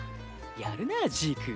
やるなぁジーク。